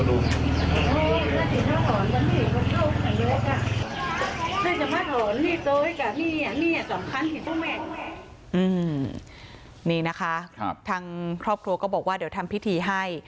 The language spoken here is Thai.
นี่นะคะทางครอบครัวก็บอกว่าเดี๋ยวทำพิธีให้